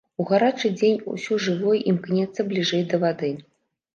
У гарачы дзень ўсё жывое імкнецца бліжэй да вады.